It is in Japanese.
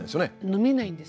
飲めないんです。